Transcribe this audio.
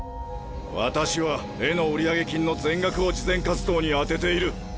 私は絵の売上金の全額を慈善活動に充てている。